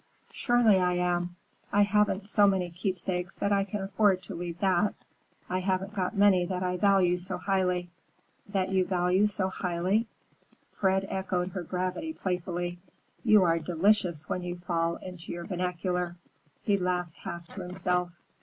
"Surely I am. I haven't so many keepsakes that I can afford to leave that. I haven't got many that I value so highly." "That you value so highly?" Fred echoed her gravity playfully. "You are delicious when you fall into your vernacular." He laughed half to himself.